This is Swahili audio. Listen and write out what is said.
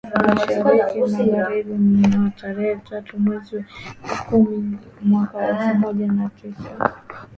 Mashariki na Magharibi mnamo tarehe tatu mwezi wa kumi mwaka elfu moja mia tisa